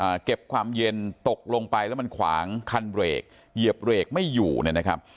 เก็บความเย็นตกลงไปแล้วมันขวางคันเบรกเหยียบเบรกไม่อยู่เนี่ยนะครับ